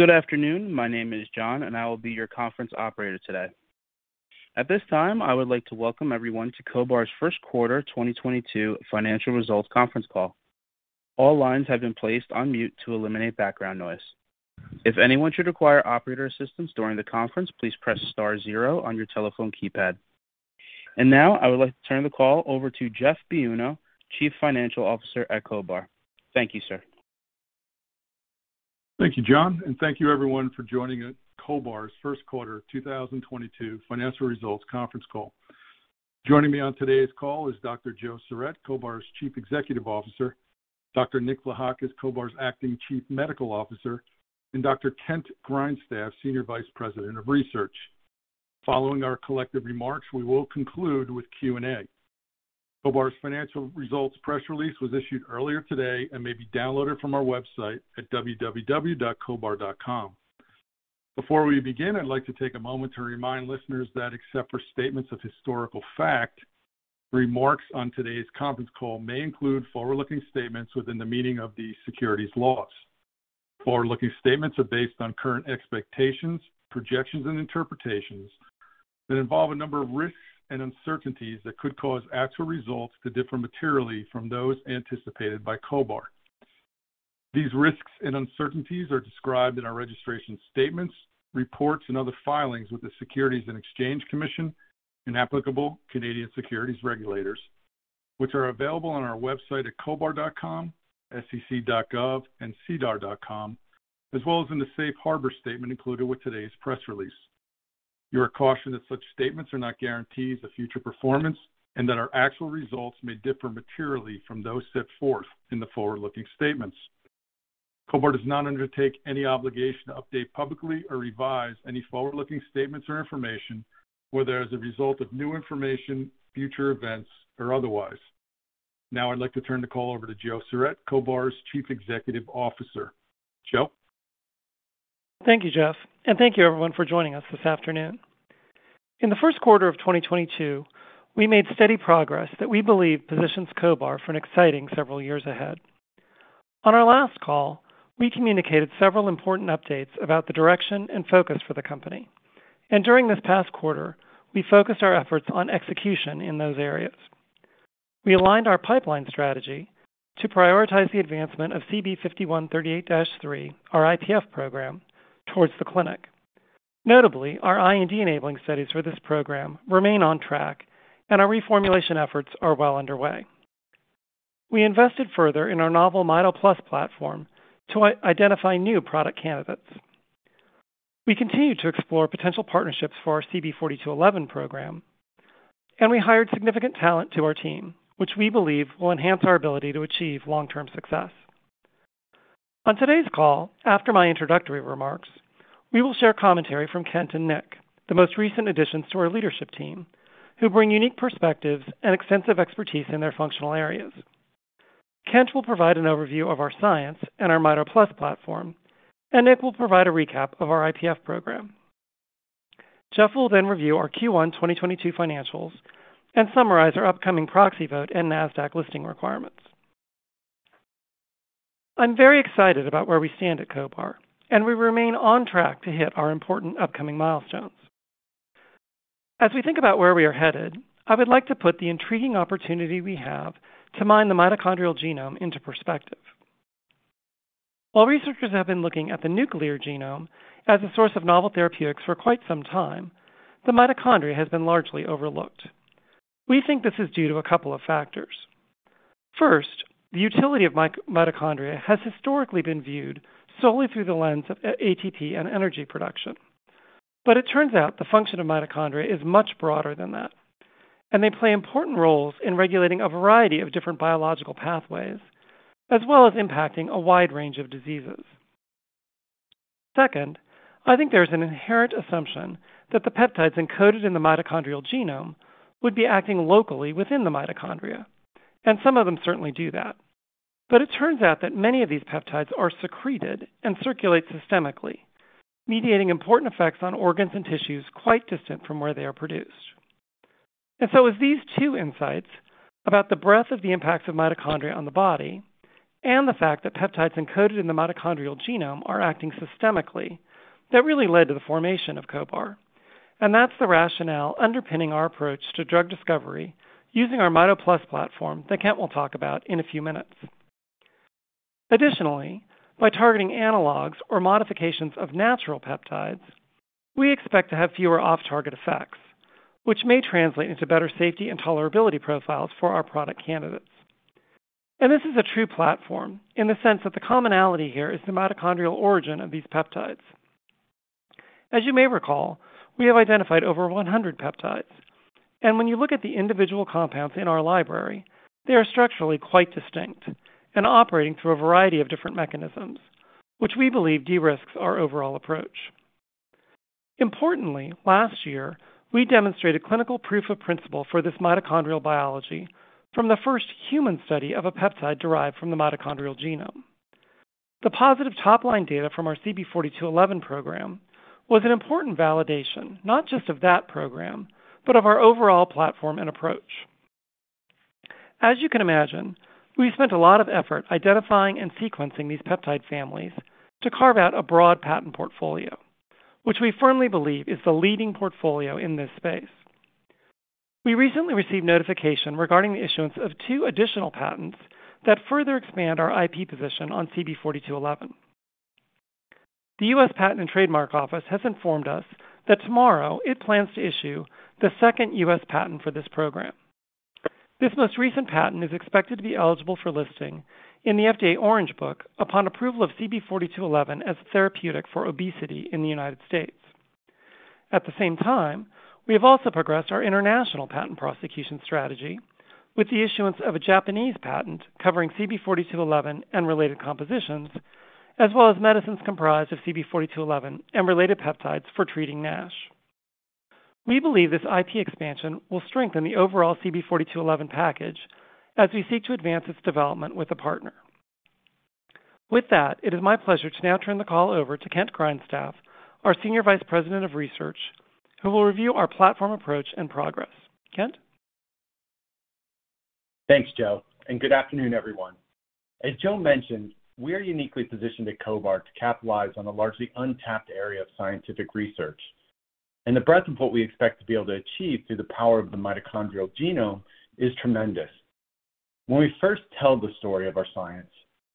Good afternoon. My name is John, and I will be your conference operator today. At this time, I would like to welcome everyone to CohBar's first quarter 2022 financial results conference call. All lines have been placed on mute to eliminate background noise. If anyone should require operator assistance during the conference, please press star zero on your telephone keypad. Now, I would like to turn the call over to Jeff Biuno, Chief Financial Officer at CohBar. Thank you, sir. Thank you, John, and thank you everyone for joining CohBar's first quarter 2022 financial results conference call. Joining me on today's call is Dr. Joseph J. Sarrett, CohBar's Chief Executive Officer, Dr. Nick Vlahakis, CohBar's Acting Chief Medical Officer, and Dr. Kent Grindstaff, Senior Vice President of Research. Following our collective remarks, we will conclude with Q&A. CohBar's financial results press release was issued earlier today and may be downloaded from our website at www.cohbar.com. Before we begin, I'd like to take a moment to remind listeners that except for statements of historical fact, remarks on today's conference call may include forward-looking statements within the meaning of the securities laws. Forward-looking statements are based on current expectations, projections, and interpretations that involve a number of risks and uncertainties that could cause actual results to differ materially from those anticipated by CohBar. These risks and uncertainties are described in our registration statements, reports, and other filings with the Securities and Exchange Commission and applicable Canadian securities regulators, which are available on our website at cohbar.com, sec.gov, and sedar.com, as well as in the safe harbor statement included with today's press release. You are cautioned that such statements are not guarantees of future performance and that our actual results may differ materially from those set forth in the forward-looking statements. CohBar does not undertake any obligation to update publicly or revise any forward-looking statements or information, whether as a result of new information, future events, or otherwise. Now I'd like to turn the call over to Joe Surette, CohBar's Chief Executive Officer. Joe? Thank you, Jeff, and thank you everyone for joining us this afternoon. In the first quarter of 2022, we made steady progress that we believe positions CohBar for an exciting several years ahead. On our last call, we communicated several important updates about the direction and focus for the company. During this past quarter, we focused our efforts on execution in those areas. We aligned our pipeline strategy to prioritize the advancement of CB5138-3, our IPF program, towards the clinic. Notably, our IND-enabling studies for this program remain on track, and our reformulation efforts are well underway. We invested further in our novel Mito+ platform to identify new product candidates. We continue to explore potential partnerships for our CB4211 program, and we hired significant talent to our team, which we believe will enhance our ability to achieve long-term success. On today's call, after my introductory remarks, we will share commentary from Kent and Nick, the most recent additions to our leadership team, who bring unique perspectives and extensive expertise in their functional areas. Kent will provide an overview of our science and our Mito+ platform, and Nick will provide a recap of our IPF program. Jeff will then review our Q1 2022 financials and summarize our upcoming proxy vote and Nasdaq listing requirements. I'm very excited about where we stand at CohBar, and we remain on track to hit our important upcoming milestones. As we think about where we are headed, I would like to put the intriguing opportunity we have to mine the mitochondrial genome into perspective. While researchers have been looking at the nuclear genome as a source of novel therapeutics for quite some time, the mitochondria has been largely overlooked. We think this is due to a couple of factors. First, the utility of mitochondria has historically been viewed solely through the lens of ATP and energy production. It turns out the function of mitochondria is much broader than that, and they play important roles in regulating a variety of different biological pathways, as well as impacting a wide range of diseases. Second, I think there's an inherent assumption that the peptides encoded in the mitochondrial genome would be acting locally within the mitochondria, and some of them certainly do that. It turns out that many of these peptides are secreted and circulate systemically, mediating important effects on organs and tissues quite distant from where they are produced. It's these two insights about the breadth of the impacts of mitochondria on the body and the fact that peptides encoded in the mitochondrial genome are acting systemically that really led to the formation of CohBar. That's the rationale underpinning our approach to drug discovery using our Mito+ platform that Kent will talk about in a few minutes. Additionally, by targeting analogs or modifications of natural peptides, we expect to have fewer off-target effects, which may translate into better safety and tolerability profiles for our product candidates. This is a true platform in the sense that the commonality here is the mitochondrial origin of these peptides. As you may recall, we have identified over 100 peptides, and when you look at the individual compounds in our library, they are structurally quite distinct and operating through a variety of different mechanisms, which we believe de-risks our overall approach. Importantly, last year, we demonstrated clinical proof of principle for this mitochondrial biology from the first human study of a peptide derived from the mitochondrial genome. The positive top-line data from our CB4211 program was an important validation, not just of that program, but of our overall platform and approach. As you can imagine, we spent a lot of effort identifying and sequencing these peptide families to carve out a broad patent portfolio, which we firmly believe is the leading portfolio in this space. We recently received notification regarding the issuance of two additional patents that further expand our IP position on CB4211. The U.S. Patent and Trademark Office has informed us that tomorrow it plans to issue the second U.S. patent for this program. This most recent patent is expected to be eligible for listing in the FDA Orange Book upon approval of CB4211 as therapeutic for obesity in the United States. At the same time, we have also progressed our international patent prosecution strategy with the issuance of a Japanese patent covering CB4211 and related compositions, as well as medicines comprised of CB4211 and related peptides for treating NASH. We believe this IP expansion will strengthen the overall CB4211 package as we seek to advance its development with a partner. With that, it is my pleasure to now turn the call over to Kent Grindstaff, our Senior Vice President of Research, who will review our platform approach and progress. Kent? Thanks, Joe, and good afternoon, everyone. As Joe mentioned, we are uniquely positioned at CohBar to capitalize on a largely untapped area of scientific research, and the breadth of what we expect to be able to achieve through the power of the mitochondrial genome is tremendous. When we first tell the story of our science,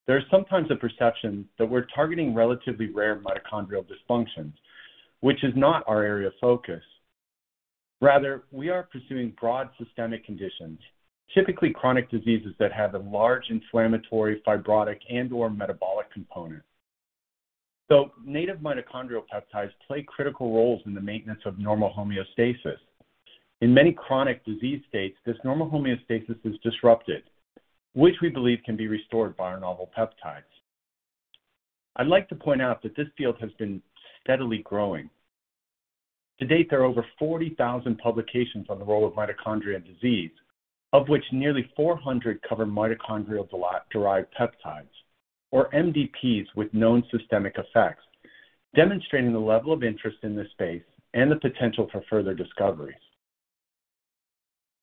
there is sometimes a perception that we're targeting relatively rare mitochondrial dysfunctions, which is not our area of focus. Rather, we are pursuing broad systemic conditions, typically chronic diseases that have a large inflammatory, fibrotic, and/or metabolic component. Native mitochondrial peptides play critical roles in the maintenance of normal homeostasis. In many chronic disease states, this normal homeostasis is disrupted, which we believe can be restored by our novel peptides. I'd like to point out that this field has been steadily growing. To date, there are over 40,000 publications on the role of mitochondria in disease, of which nearly 400 cover mitochondrial-derived peptides or MDPs with known systemic effects, demonstrating the level of interest in this space and the potential for further discoveries.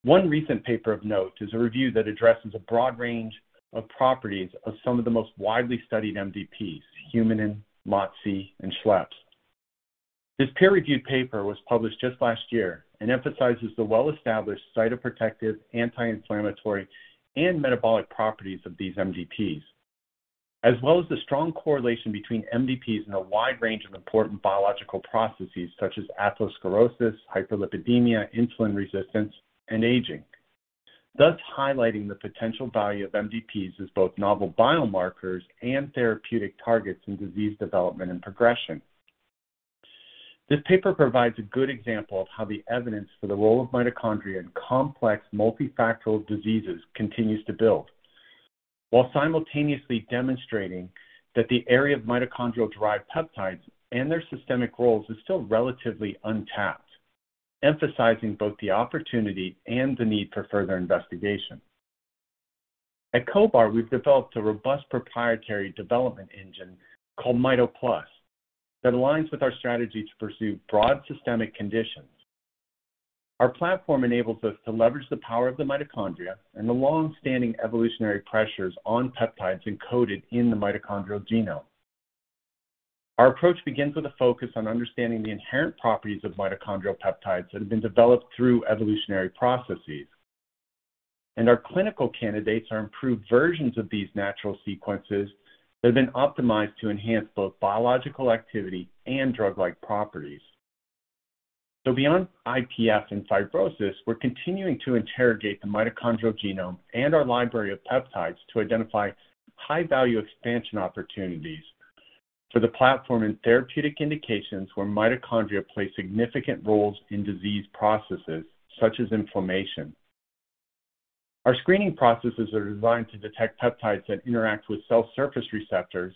One recent paper of note is a review that addresses a broad range of properties of some of the most widely studied MDPs, humanin, MOTS-c, and SHLPs. This peer-reviewed paper was published just last year and emphasizes the well-established cytoprotective, anti-inflammatory, and metabolic properties of these MDPs, as well as the strong correlation between MDPs in a wide range of important biological processes such as atherosclerosis, hyperlipidemia, insulin resistance, and aging, thus highlighting the potential value of MDPs as both novel biomarkers and therapeutic targets in disease development and progression. This paper provides a good example of how the evidence for the role of mitochondria in complex multifactorial diseases continues to build while simultaneously demonstrating that the area of mitochondrial-derived peptides and their systemic roles is still relatively untapped, emphasizing both the opportunity and the need for further investigation. At CohBar, we've developed a robust proprietary development engine called Mito+ that aligns with our strategy to pursue broad systemic conditions. Our platform enables us to leverage the power of the mitochondria and the long-standing evolutionary pressures on peptides encoded in the mitochondrial genome. Our approach begins with a focus on understanding the inherent properties of mitochondrial peptides that have been developed through evolutionary processes. Our clinical candidates are improved versions of these natural sequences that have been optimized to enhance both biological activity and drug-like properties. Beyond IPF and fibrosis, we're continuing to interrogate the mitochondrial genome and our library of peptides to identify high-value expansion opportunities for the platform in therapeutic indications where mitochondria play significant roles in disease processes such as inflammation. Our screening processes are designed to detect peptides that interact with cell surface receptors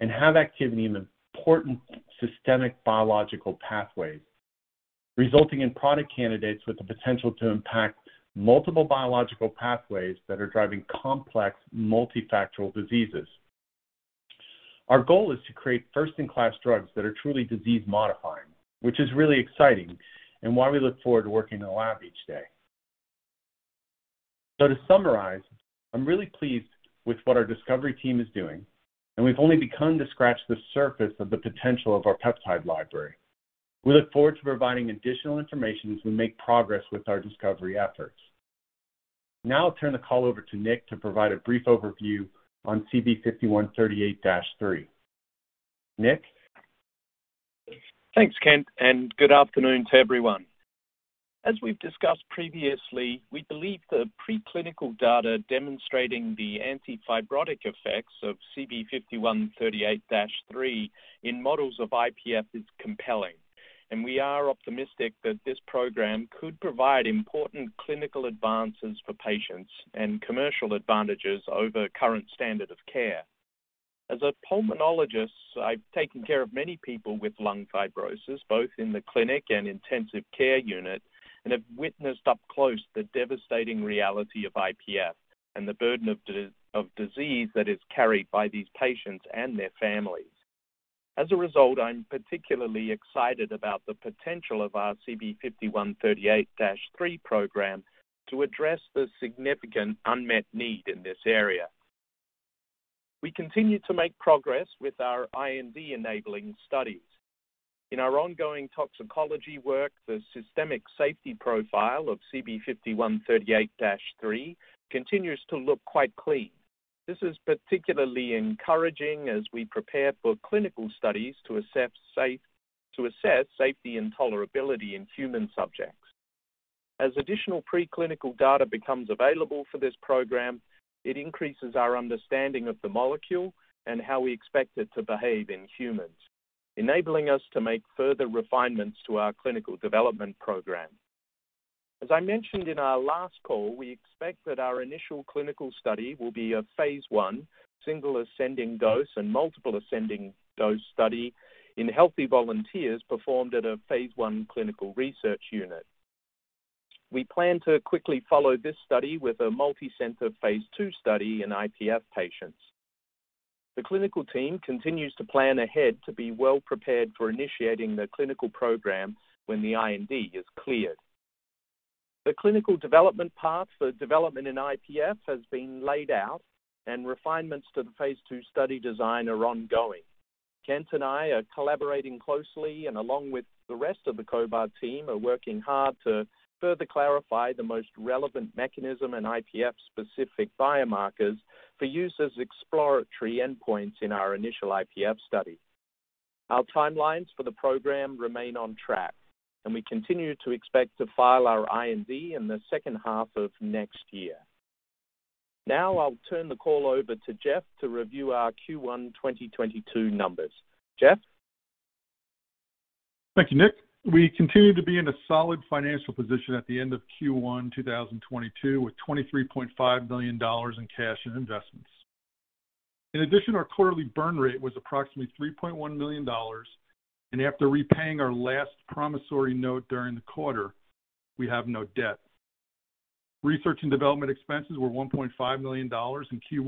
and have activity in important systemic biological pathways, resulting in product candidates with the potential to impact multiple biological pathways that are driving complex multifactorial diseases. Our goal is to create first-in-class drugs that are truly disease modifying, which is really exciting and why we look forward to working in the lab each day. To summarize, I'm really pleased with what our discovery team is doing, and we've only begun to scratch the surface of the potential of our peptide library. We look forward to providing additional information as we make progress with our discovery efforts. Now I'll turn the call over to Nick to provide a brief overview on CB5138-3. Nick? Thanks, Kent, and good afternoon to everyone. As we've discussed previously, we believe the preclinical data demonstrating the anti-fibrotic effects of CB5138-3 in models of IPF is compelling, and we are optimistic that this program could provide important clinical advances for patients and commercial advantages over current standard of care. As a pulmonologist, I've taken care of many people with lung fibrosis, both in the clinic and intensive care unit, and have witnessed up close the devastating reality of IPF and the burden of of disease that is carried by these patients and their families. As a result, I'm particularly excited about the potential of our CB5138-3 program to address the significant unmet need in this area. We continue to make progress with our IND enabling studies. In our ongoing toxicology work, the systemic safety profile of CB 5138-3 continues to look quite clean. This is particularly encouraging as we prepare for clinical studies to assess safety and tolerability in human subjects. As additional preclinical data becomes available for this program, it increases our understanding of the molecule and how we expect it to behave in humans, enabling us to make further refinements to our clinical development program. As I mentioned in our last call, we expect that our initial clinical study will be a phase 1, single ascending dose and multiple ascending dose study in healthy volunteers performed at a phase 1 clinical research unit. We plan to quickly follow this study with a multicenter phase 2 study in IPF patients. The clinical team continues to plan ahead to be well prepared for initiating the clinical program when the IND is cleared. The clinical development path for development in IPF has been laid out, and refinements to the phase 2 study design are ongoing. Kent and I are collaborating closely and along with the rest of the CohBar team, are working hard to further clarify the most relevant mechanism and IPF specific biomarkers for use as exploratory endpoints in our initial IPF study. Our timelines for the program remain on track, and we continue to expect to file our IND in the second half of next year. Now I'll turn the call over to Jeff to review our Q1 2022 numbers. Jeff. Thank you, Nick. We continue to be in a solid financial position at the end of Q1 2022, with $23.5 million in cash and investments. In addition, our quarterly burn rate was approximately $3.1 million, and after repaying our last promissory note during the quarter, we have no debt. Research and development expenses were $1.5 million in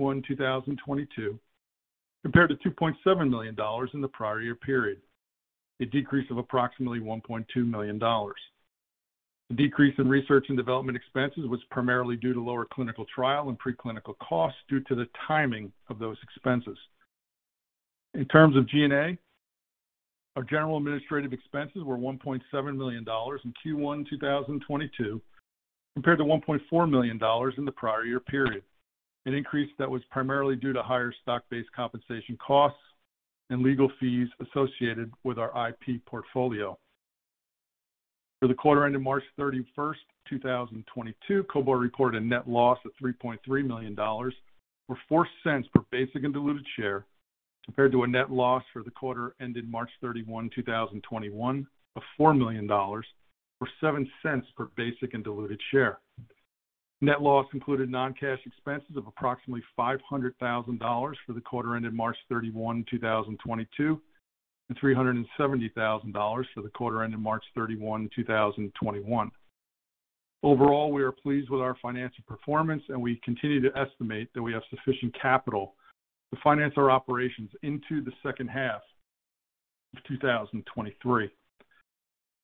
Q1 2022, compared to $2.7 million in the prior year period, a decrease of approximately $1.2 million. The decrease in research and development expenses was primarily due to lower clinical trial and preclinical costs due to the timing of those expenses. In terms of G&A, our general administrative expenses were $1.7 million in Q1 2022, compared to $1.4 million in the prior year period. An increase that was primarily due to higher stock-based compensation costs and legal fees associated with our IP portfolio. For the quarter ended March 31, 2022, CohBar recorded a net loss of $3.3 million, or $0.04 per basic and diluted share, compared to a net loss for the quarter ended March 31, 2021 of $4 million, or $0.07 per basic and diluted share. Net loss included non-cash expenses of approximately $500 thousand for the quarter ended March 31, 2022, and $370 thousand for the quarter ended March 31, 2021. Overall, we are pleased with our financial performance and we continue to estimate that we have sufficient capital to finance our operations into the second half of 2023.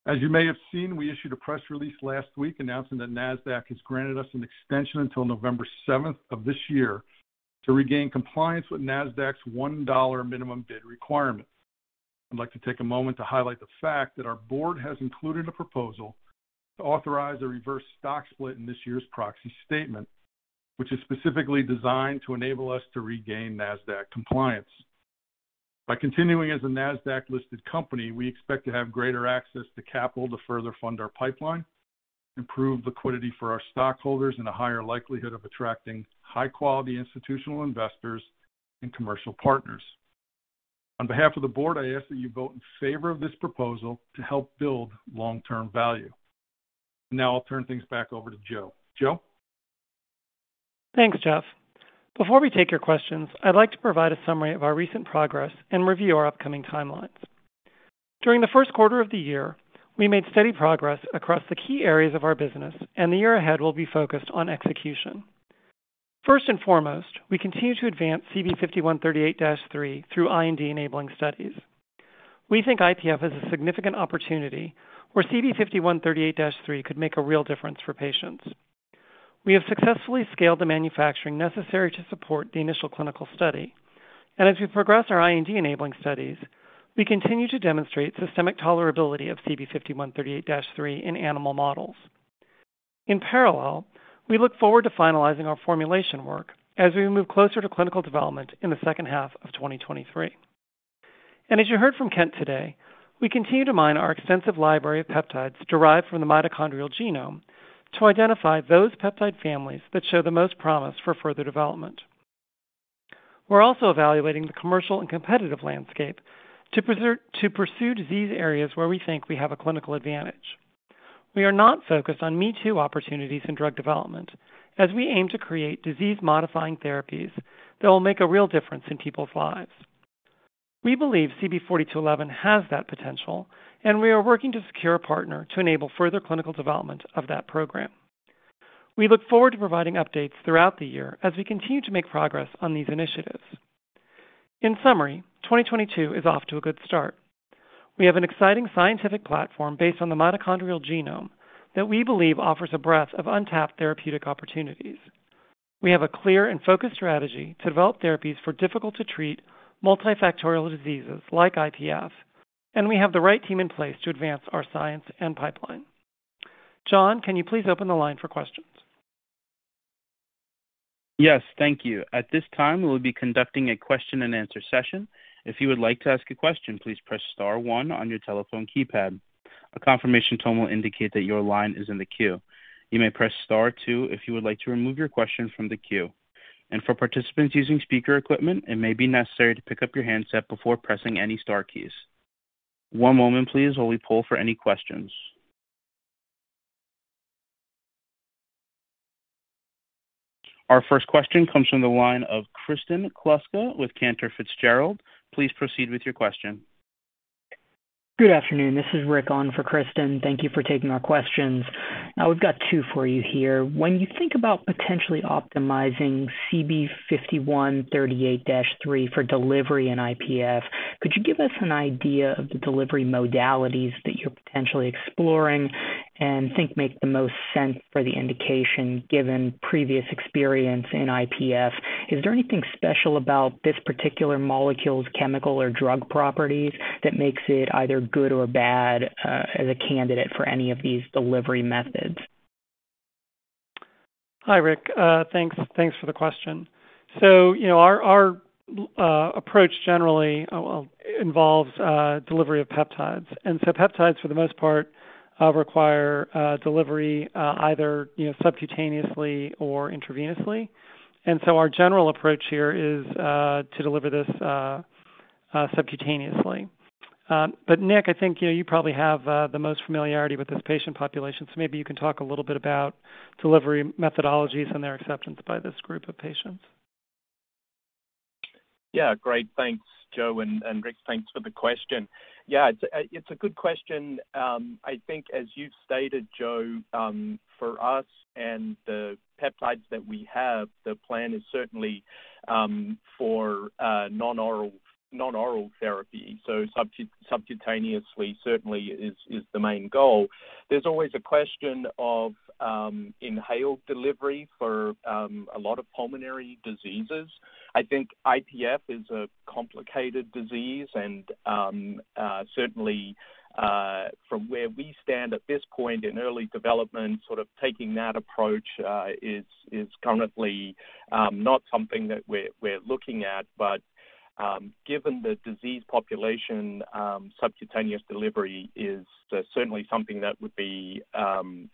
As you may have seen, we issued a press release last week announcing that Nasdaq has granted us an extension until November seventh of this year to regain compliance with Nasdaq's $1 minimum bid requirement. I'd like to take a moment to highlight the fact that our board has included a proposal to authorize a reverse stock split in this year's proxy statement, which is specifically designed to enable us to regain Nasdaq compliance. By continuing as a Nasdaq-listed company, we expect to have greater access to capital to further fund our pipeline, improve liquidity for our stockholders, and a higher likelihood of attracting high-quality institutional investors and commercial partners. On behalf of the board, I ask that you vote in favor of this proposal to help build long-term value. Now I'll turn things back over to Joe. Joe. Thanks, Jeff. Before we take your questions, I'd like to provide a summary of our recent progress and review our upcoming timelines. During the first quarter of the year, we made steady progress across the key areas of our business, and the year ahead will be focused on execution. First and foremost, we continue to advance CB5138-3 through IND-enabling studies. We think IPF is a significant opportunity where CB5138-3 could make a real difference for patients. We have successfully scaled the manufacturing necessary to support the initial clinical study. As we progress our IND-enabling studies, we continue to demonstrate systemic tolerability of CB5138-3 in animal models. In parallel, we look forward to finalizing our formulation work as we move closer to clinical development in the second half of 2023. As you heard from Kent today, we continue to mine our extensive library of peptides derived from the mitochondrial genome to identify those peptide families that show the most promise for further development. We're also evaluating the commercial and competitive landscape to pursue disease areas where we think we have a clinical advantage. We are not focused on me too opportunities in drug development as we aim to create disease-modifying therapies that will make a real difference in people's lives. We believe CB4211 has that potential, and we are working to secure a partner to enable further clinical development of that program. We look forward to providing updates throughout the year as we continue to make progress on these initiatives. In summary, 2022 is off to a good start. We have an exciting scientific platform based on the mitochondrial genome that we believe offers a breadth of untapped therapeutic opportunities. We have a clear and focused strategy to develop therapies for difficult-to-treat multifactorial diseases like IPF, and we have the right team in place to advance our science and pipeline. John, can you please open the line for questions? Yes, thank you. At this time, we will be conducting a question and answer session. If you would like to ask a question, please press star one on your telephone keypad. A confirmation tone will indicate that your line is in the queue. You may press star two if you would like to remove your question from the queue. For participants using speaker equipment, it may be necessary to pick up your handset before pressing any star keys. One moment please while we poll for any questions. Our first question comes from the line of Kristen Kluska with Cantor Fitzgerald. Please proceed with your question. Good afternoon. This is Rick on for Kristen. Thank you for taking our questions. Now, we've got two for you here. When you think about potentially optimizing CB5138-3 for delivery in IPF, could you give us an idea of the delivery modalities that you're potentially exploring and think make the most sense for the indication, given previous experience in IPF? Is there anything special about this particular molecule's chemical or drug properties that makes it either good or bad as a candidate for any of these delivery methods? Hi, Rick. Thanks. Thanks for the question. You know, our approach generally, well, involves delivery of peptides. Peptides, for the most part, require delivery either, you know, subcutaneously or intravenously. Our general approach here is to deliver this subcutaneously. But Nick, I think, you know, you probably have the most familiarity with this patient population, so maybe you can talk a little bit about delivery methodologies and their acceptance by this group of patients. Yeah. Great. Thanks, Joe and Rick, thanks for the question. Yeah, it's a good question. I think as you've stated, Joe, for us and the peptides that we have, the plan is certainly for non-oral therapy. Subcutaneously certainly is the main goal. There's always a question of inhaled delivery for a lot of pulmonary diseases. I think IPF is a complicated disease and certainly from where we stand at this point in early development, sort of taking that approach is currently not something that we're looking at. Given the disease population, subcutaneous delivery is certainly something that would be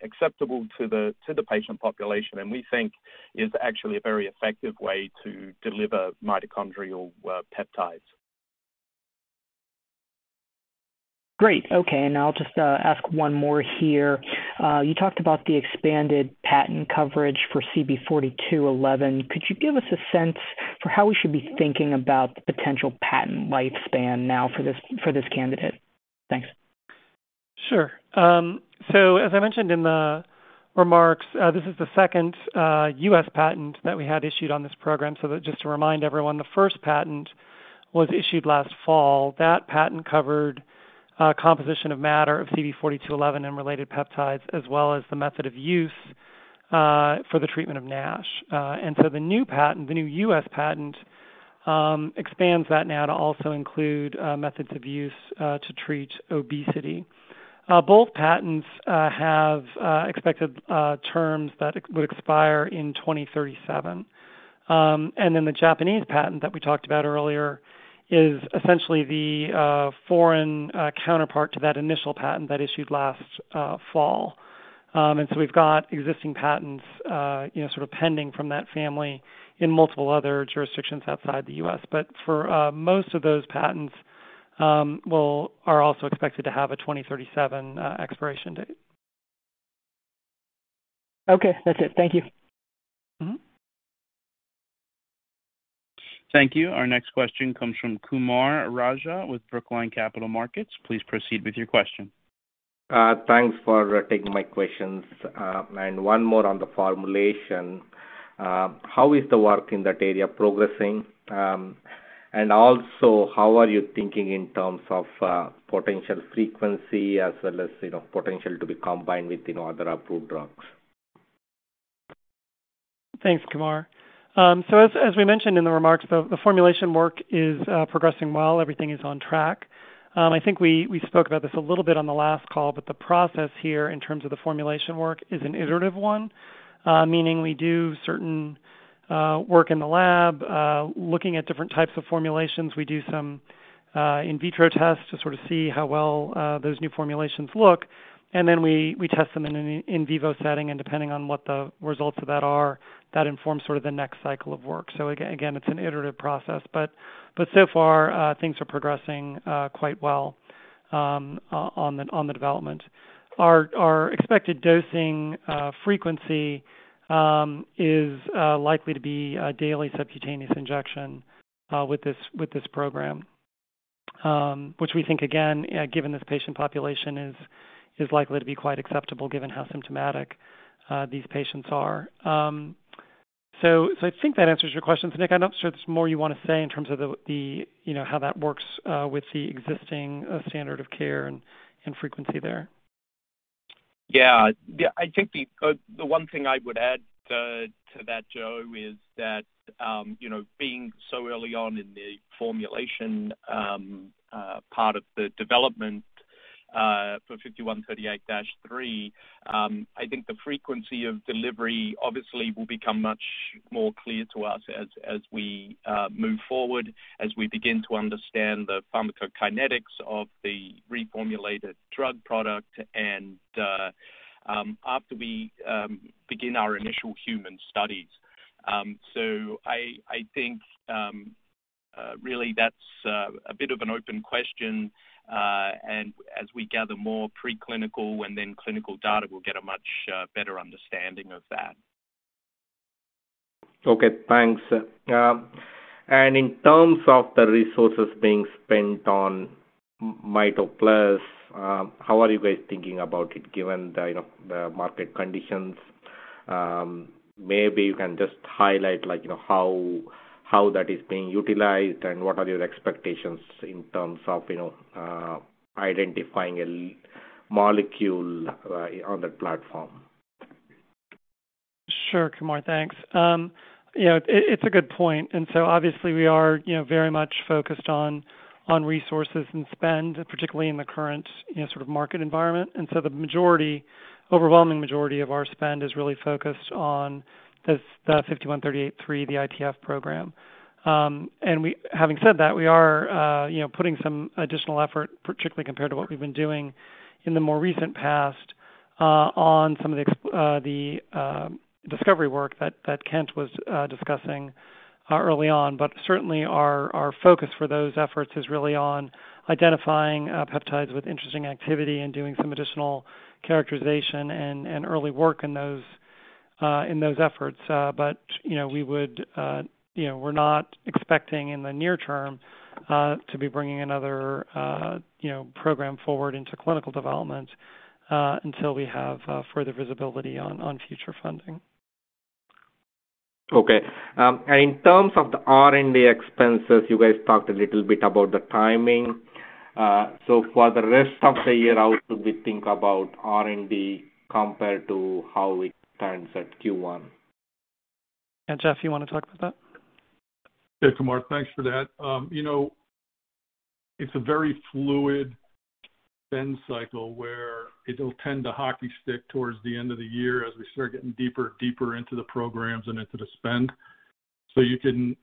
acceptable to the patient population, and we think is actually a very effective way to deliver mitochondrial peptides. Great. Okay. I'll just ask one more here. You talked about the expanded patent coverage for CB4211. Could you give us a sense for how we should be thinking about the potential patent lifespan now for this candidate? Thanks. Sure. As I mentioned in the remarks, this is the second U.S. patent that we had issued on this program. Just to remind everyone, the first patent was issued last fall. That patent covered composition of matter of CB4211 and related peptides, as well as the method of use for the treatment of NASH. The new patent, the new U.S. patent, expands that now to also include methods of use to treat obesity. Both patents have expected terms that would expire in 2037. The Japanese patent that we talked about earlier is essentially the foreign counterpart to that initial patent that issued last fall. We've got existing patents, you know, sort of pending from that family in multiple other jurisdictions outside the U.S. For most of those patents, are also expected to have a 2037 expiration date. Okay. That's it. Thank you. Mm-hmm. Thank you. Our next question comes from Kumar Raja with Brookline Capital Markets. Please proceed with your question. Thanks for taking my questions. One more on the formulation. How is the work in that area progressing? How are you thinking in terms of potential frequency as well as, you know, potential to be combined with, you know, other approved drugs? Thanks, Kumar. As we mentioned in the remarks, the formulation work is progressing well. Everything is on track. I think we spoke about this a little bit on the last call, but the process here in terms of the formulation work is an iterative one, meaning we do certain work in the lab looking at different types of formulations. We do some in vitro tests to sort of see how well those new formulations look, and then we test them in an in vivo setting, and depending on what the results of that are, that informs sort of the next cycle of work. Again, it's an iterative process, but so far, things are progressing quite well on the development. Our expected dosing frequency is likely to be a daily subcutaneous injection with this program. Which we think again, given this patient population is likely to be quite acceptable given how symptomatic these patients are. So I think that answers your question. Nick, I'm not sure if there's more you wanna say in terms of, you know, how that works with the existing standard of care and frequency there. I think the one thing I would add to that, Joe, is that you know, being so early on in the formulation part of the development for 5138-3, I think the frequency of delivery obviously will become much more clear to us as we move forward, as we begin to understand the pharmacokinetics of the reformulated drug product and after we begin our initial human studies. So I think really that's a bit of an open question. As we gather more pre-clinical and then clinical data, we'll get a much better understanding of that. Okay. Thanks. In terms of the resources being spent on Mito+, how are you guys thinking about it given the, you know, the market conditions? Maybe you can just highlight like, you know, how that is being utilized and what are your expectations in terms of, you know, identifying a molecule on that platform. Sure, Kumar. Thanks. You know, it's a good point. Obviously we are, you know, very much focused on resources and spend, particularly in the current, you know, sort of market environment. The majority, overwhelming majority of our spend is really focused on the CB5138-3, the IPF program. And we, having said that, we are, you know, putting some additional effort, particularly compared to what we've been doing in the more recent past, on some of the discovery work that Kent was discussing early on. But certainly our focus for those efforts is really on identifying peptides with interesting activity and doing some additional characterization and early work in those efforts. you know, we would, you know, we're not expecting in the near term to be bringing another, you know, program forward into clinical development until we have further visibility on future funding. Okay. In terms of the R&D expenses, you guys talked a little bit about the timing. For the rest of the year, how should we think about R&D compared to how it stands at Q1? Jeff, you wanna talk about that? Yeah, Kumar. Thanks for that. You know, it's a very fluid spend cycle where it'll tend to hockey stick towards the end of the year as we start getting deeper and deeper into the programs and into the spend. You can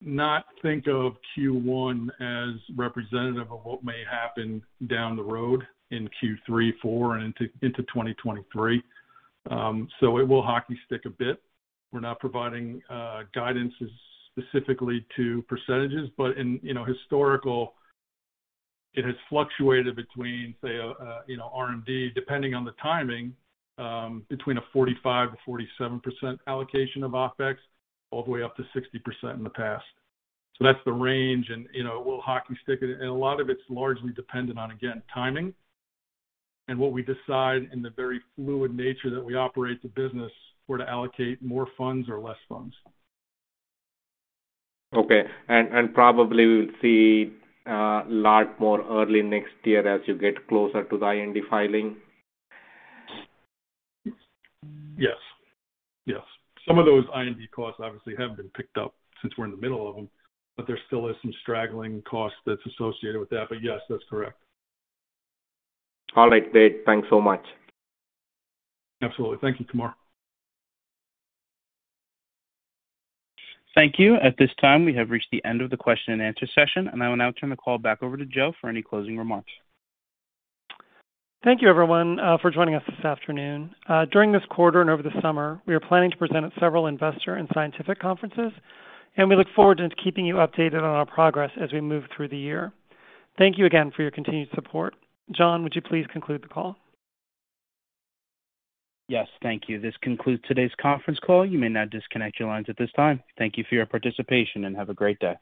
not think of Q1 as representative of what may happen down the road in Q3, Q4 and into 2023. So it will hockey stick a bit. We're not providing guidance as specifically to percentages, but in, you know, historical, it has fluctuated between, say, you know, R&D, depending on the timing, between a 45%-47% allocation of OpEx all the way up to 60% in the past. So that's the range and, you know, it will hockey stick. A lot of it's largely dependent on, again, timing and what we decide in the very fluid nature that we operate the business where to allocate more funds or less funds. Okay. Probably we'll see a lot more early next year as you get closer to the IND filing. Yes. Yes. Some of those IND costs obviously have been picked up since we're in the middle of them, but there still is some straggling cost that's associated with that. Yes, that's correct. All right, great. Thanks so much. Absolutely. Thank you, Kumar. Thank you. At this time, we have reached the end of the question and answer session, and I will now turn the call back over to Joe for any closing remarks. Thank you, everyone, for joining us this afternoon. During this quarter and over the summer, we are planning to present at several investor and scientific conferences, and we look forward to keeping you updated on our progress as we move through the year. Thank you again for your continued support. John, would you please conclude the call? Yes. Thank you. This concludes today's conference call. You may now disconnect your lines at this time. Thank you for your participation, and have a great day.